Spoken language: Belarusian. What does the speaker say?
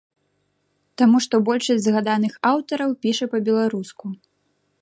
Таму што большасць згаданых аўтараў піша па-беларуску.